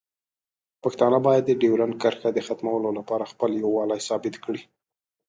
پښتانه باید د ډیورنډ کرښې د ختمولو لپاره خپل یووالی ثابت کړي.